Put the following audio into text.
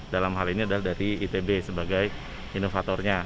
dalam hal ini adalah dari itb sebagai inovatornya